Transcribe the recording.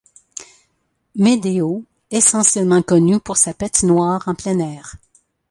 Medeo essentiellement connue pour sa patinoire en plein air.